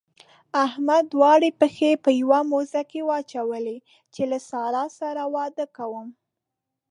احمد دواړه پښې په يوه موزه کې واچولې چې له سارا سره واده کوم.